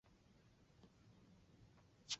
目前饼干组成。